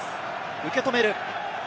受け止める。